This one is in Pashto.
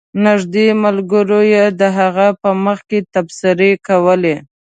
نږدې ملګرو یې د هغه په مخ کې تبصرې کولې.